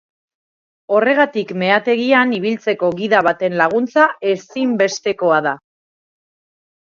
Horregatik meategian ibiltzeko gida baten laguntza ezinbestekoa da.